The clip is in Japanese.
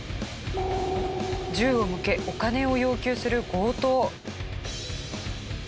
銃を向けお金を要求する強盗。